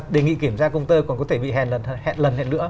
đề nghị kiểm tra công tơ còn có thể bị hẹn lần hẹn nữa